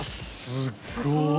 すごい。